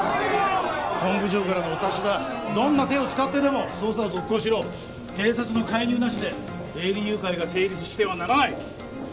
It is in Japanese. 本部長からのお達しだどんな手を使ってでも捜査を続行しろ警察の介入なしで営利誘拐が成立してはならない！